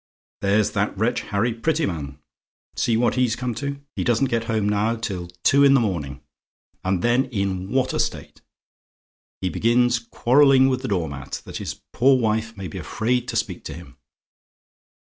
There's that wretch Harry Prettyman. See what he's come to! He doesn't get home now till two in the morning; and then in what a state! He begins quarrelling with the door mat, that his poor wife may be afraid to speak to him.